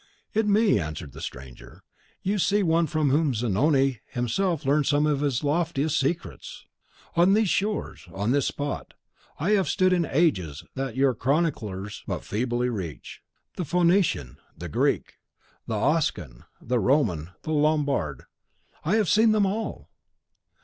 "In me," answered the stranger, "you see one from whom Zanoni himself learned some of his loftiest secrets. On these shores, on this spot, have I stood in ages that your chroniclers but feebly reach. The Phoenician, the Greek, the Oscan, the Roman, the Lombard, I have seen them all!